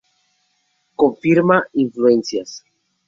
Confirma influencias.